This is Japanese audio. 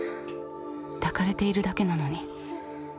抱かれているだけなのに。